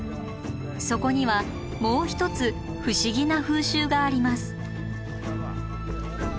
そこにはもう一つ不思議な風習があります。